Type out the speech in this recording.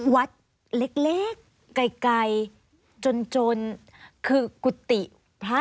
วัดเล็กไกลจนจนคือกุฏิพระ